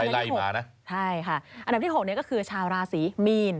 ดีค่ะอันดับที่๖นี่ก็คือชาวราศรีมีน